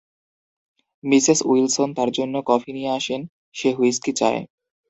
Mrs Wilson তার জন্য coffee নিয়ে আসেন; সে হুইস্কি চায়।